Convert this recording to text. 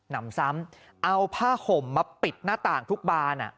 นำซ้ำเอาผ้าห่มมาปิดหน้าต่างทุกบาน